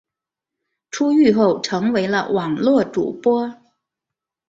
出狱后成为了网络主播。